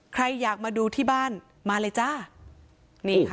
ใครอยากมาดูที่บ้านมาเลยจ้านี่ค่ะ